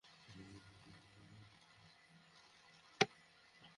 Coach Mizanur রহমানের কথা সত্যি করে শেষ পর্যন্ত আশঙ্কাটা ভুল প্রমাণিত হয়েছে।